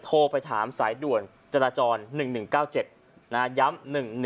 โทรไปถามสายด่วนจราจร๑๑๙๗ย้ำ๑๑